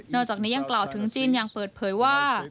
จากนี้ยังกล่าวถึงจีนยังเปิดเผยว่า